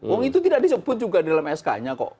uang itu tidak disebut juga dalam sk nya kok